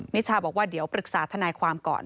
นิชาบอกว่าเดี๋ยวปรึกษาทนายความก่อน